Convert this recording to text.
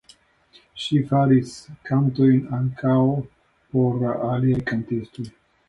Ŝi faris kantojn ankaŭ por aliaj kantistoj.